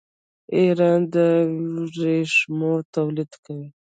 ایران د ورېښمو تولید کوي.